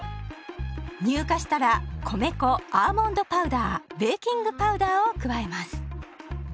乳化したら米粉アーモンドパウダーベーキングパウダーを加えます。